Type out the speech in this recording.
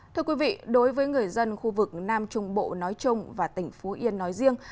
thưa quý vị đối với người dân khu vực nam trung bộ nói chung và tỉnh phú yên nói riêng